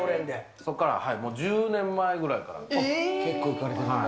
そこからもう１０年前ぐらい結構行かれてるんだ。